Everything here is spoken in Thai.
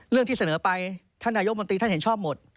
ที่เสนอไปท่านนายกมนตรีท่านเห็นชอบหมด